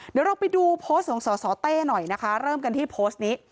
เดี๋ยวเราไปดูโพสต์ของสสเต้หน่อยนะคะเริ่มกันที่โพสต์นี้